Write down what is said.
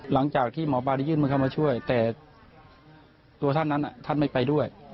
หลังจากที่หมอปลาได้ยื่นมือเข้ามาช่วยแต่ตัวท่านนั้นท่านไม่ไปด้วย